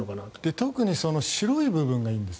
特に白い部分がいいんです。